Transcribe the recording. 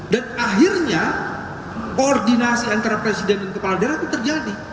dan akhirnya koordinasi antara presiden dan kepala daerah itu terjadi